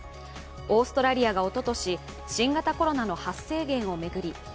オーストラリアがおととし新型コロナの発生源を巡り